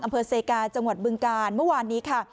อำเภอเซกาจังหวัดบึงกาลเมื่อวานนี้ค่ะ